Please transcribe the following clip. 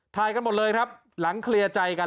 กันหมดเลยครับหลังเคลียร์ใจกัน